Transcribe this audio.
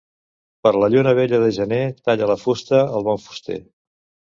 Per la lluna vella de gener talla la fusta el bon fuster.